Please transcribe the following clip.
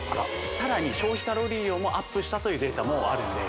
さらに消費カロリー量もアップしたというデータもあるんです